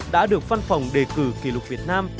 đã được văn phòng đề cử kỷ lục việt nam